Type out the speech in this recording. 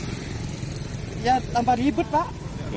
ya tambahan hibut pak